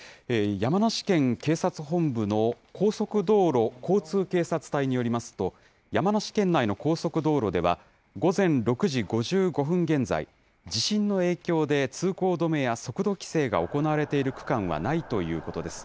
山梨県警察本部の高速道路交通警察隊によりますと、山梨県内の高速道路では、午前６時５５分現在、地震の影響で通行止めや速度規制が行われている区間はないということです。